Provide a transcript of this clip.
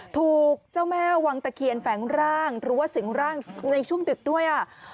ถูกเจ้าแม่วังตะเคียนแฝงร่างหรือว่าสิงร่างในช่วงดึกด้วยอ่ะ